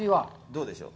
どうでしょう？